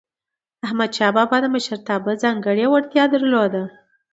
احمدشاه بابا د مشرتابه ځانګړی وړتیا درلودله.